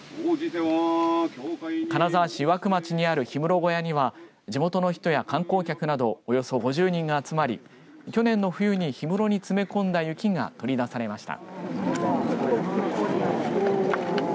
金沢市湯涌町にある氷室小屋には地元の人や観光客などおよそ５０人が集まり去年の冬に氷室に詰め込んだ雪が取り出されました。